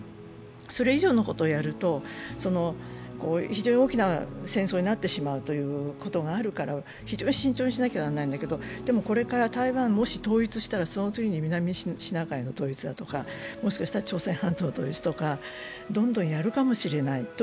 それ以上のことをやると、非常に大きな戦争になってしまうということがあるから、非常に慎重にしなきゃならないんだけど、台湾をもし統一したらその次に南シナ海の統一だとかもしかしたら朝鮮半島の統一とかどんどんやるかもしれない。